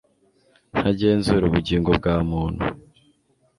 ntagenzura ubugingo bwa muntu